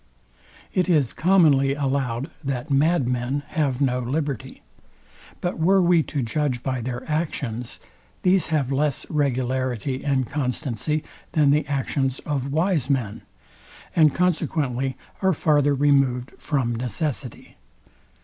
It is commonly allowed that mad men have no liberty. But were we to judge by their actions, these have less regularity and constancy than the actions of wise men, and consequently are farther removed from necessity.